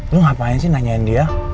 lu ngapain sih nanyain dia